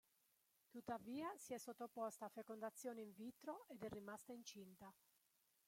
Tuttavia si è sottoposta a fecondazione in vitro ed è rimasta incinta.